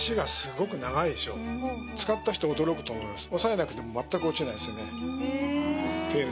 使った人驚くと思います。